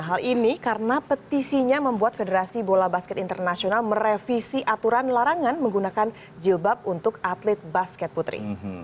hal ini karena petisinya membuat federasi bola basket internasional merevisi aturan larangan menggunakan jilbab untuk atlet basket putri